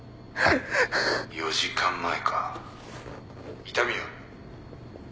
４時間前か痛みは？